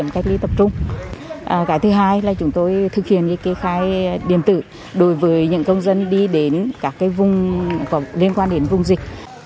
cái thứ hai là chúng tôi thực hiện kê khai điện tử đối với những công dân đi đến các vùng có liên quan đến vùng dịch